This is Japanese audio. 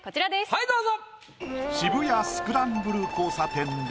はいどうぞ。